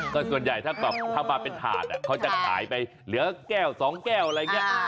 ก็ส่วนใหญ่ถ้ามาเป็นถาดเขาจะขายไปเหลือแก้ว๒แก้วอะไรอย่างนี้